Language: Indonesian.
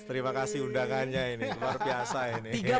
terima kasih undangannya ini